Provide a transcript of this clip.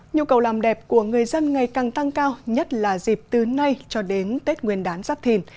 nhu cầu làm đẹp của người dân ngày càng tăng cao nhất là dịp từ nay cho đến tết nguyên đán giáp thìn